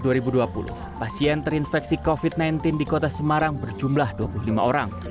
di pasien terinfeksi covid sembilan belas di kota semarang berjumlah dua puluh lima orang